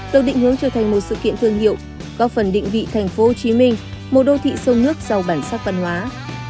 được định hướng trở thành một sự kiện thương hiệu góp phần định vị tp hcm một đô thị sông nước giàu bản sắc văn hóa